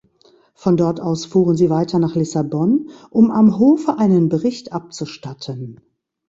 Von dort aus fuhren sie weiter nach Lissabon, um am Hofe einen Bericht abzustatten.